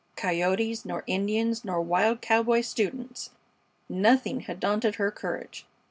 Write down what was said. Coyotes, nor Indians, nor wild cowboy students nothing had daunted her courage.